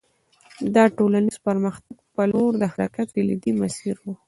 دا د ټولنیز پرمختګ په لور د حرکت کلیدي مسیر و